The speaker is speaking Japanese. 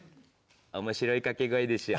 面白い掛け声でしょ？